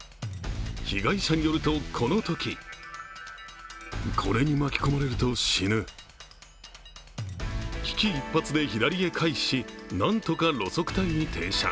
被害者によると、このとき危機一髪で左へ回避し、なんとか路側帯に停車。